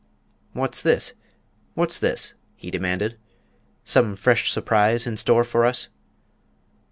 "What's this? What's this?" he demanded; "some fresh surprise in store for us?"